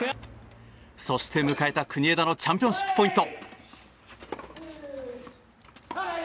そして迎えた国枝のチャンピオンシップポイント。